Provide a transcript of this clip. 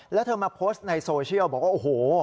แล้วเธอมาโพสต์ในโซเชียลบอกว่าโอ้โห